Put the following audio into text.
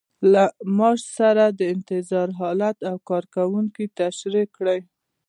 له معاش سره د انتظار حالت او کارکوونکي تشریح کړئ.